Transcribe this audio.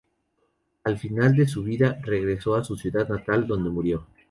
Al final de su vida regresó a su ciudad natal, donde murió.